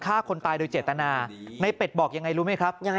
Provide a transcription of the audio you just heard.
ฆ่าคนตายโดยเจตนาในเป็ดบอกยังไงรู้ไหมครับยังไง